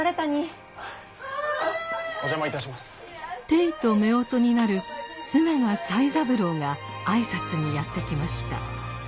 ていとめおとになる須永才三郎が挨拶にやって来ました。